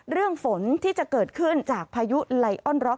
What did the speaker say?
ฝนที่จะเกิดขึ้นจากพายุไลออนร็อก